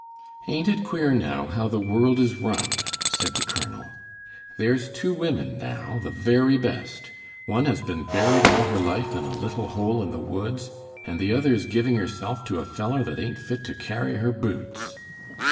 "Ain't it queer, now, how the world is run?" said the colonel. "There's two women, now, the very best; one has been buried all her life in a little hole in the woods, and the other is giving herself to a fellow that ain't fit to carry her boots."